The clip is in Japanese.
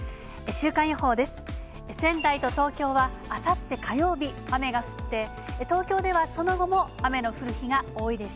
週間予報です。